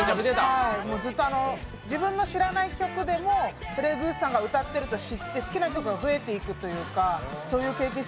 ずっと自分の知らない曲でもＰｌａｙ．Ｇｏｏｓｅさんが歌ってると知って、好きな曲が増えていくというか、そういう経験者。